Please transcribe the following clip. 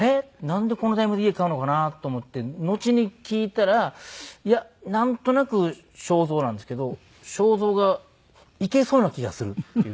なんでこのタイミングで家買うのかなと思ってのちに聞いたら「いやなんとなく」章造なんですけど「章造がいけそうな気がする」って言って。